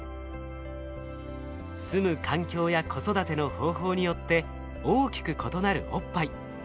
住む環境や子育ての方法によって大きく異なるおっぱい。